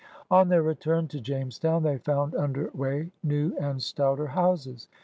On their return to Jamestown they found under way new and stouter houses.